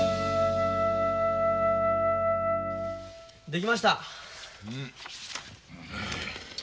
できました。